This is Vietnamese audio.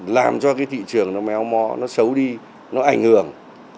làm cho cái thị trường nó méo mó nó xấu đi nó ảnh hưởng